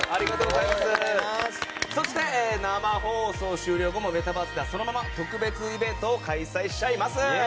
そして、生放送終了後もメタバースではそのまま特別イベントを開催しちゃいます。